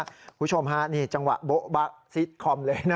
คุณผู้ชมฮะนี่จังหวะโบ๊ะบะซิดคอมเลยนะ